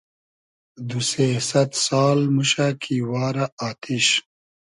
دو سې سئد سال موشۂ کی وارۂ آتیش